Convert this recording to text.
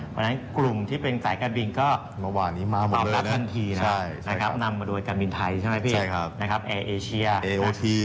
เพราะฉะนั้นกลุ่มที่เป็นสายการบินก็ล้องลับทันทีนี้นำมาด้วยทำการบินไทยใช่มั้ยพี่